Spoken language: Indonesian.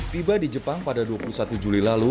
tiba di jepang pada dua puluh satu juli lalu